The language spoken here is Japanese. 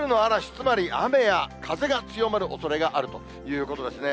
つまり、雨や風が強まるおそれがあるということですね。